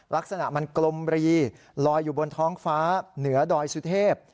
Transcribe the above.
ลักษณะมันกลมรีลอยอยู่บนท้องฟ้าเหนือดอยสุเทพ